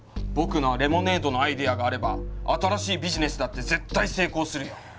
僕のレモネードのアイデアがあれば新しいビジネスだって絶対成功するよ。